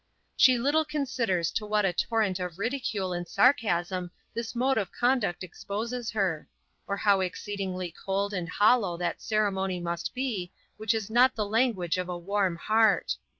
She little considers to what a torrent of ridicule and sarcasm this mode of conduct exposes her; or how exceedingly cold and hollow that ceremony must be, which is not the language of a warm heart.